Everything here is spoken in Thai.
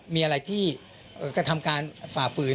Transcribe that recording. มีอะไรที่กระทำการฝ่าฝืน